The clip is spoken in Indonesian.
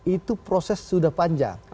itu proses sudah panjang